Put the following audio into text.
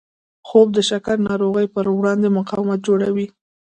خوب د شکر ناروغۍ پر وړاندې مقاومت جوړوي